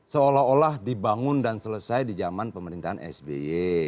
seolah olah dibangun dan selesai di zaman pemerintahan sby